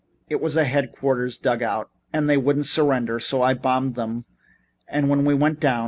It was a headquarters dug out and they wouldn't surrender, so I bombed them and then we went down.